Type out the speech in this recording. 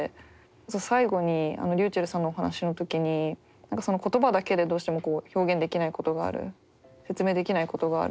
最後にｒｙｕｃｈｅｌｌさんのお話の時に言葉だけでどうしても表現できないことがある説明できないことがある。